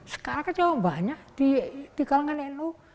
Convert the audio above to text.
sekarang kan banyak di kalangan nu